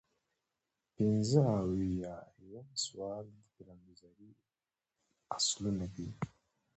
پنځه اویایم سوال د پلانګذارۍ اصلونه دي.